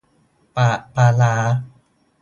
ปากปลาร้า